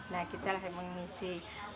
nah kita lagi mengisi